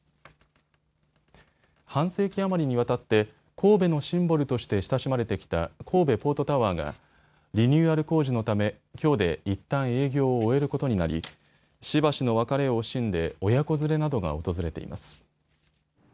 半世紀余りにわたって神戸のシンボルとして親しまれてきた神戸ポートタワーがリニューアル工事のためきょうでいったん営業を終えることになりしばしの別れを惜しんで親子連れなどが訪れています。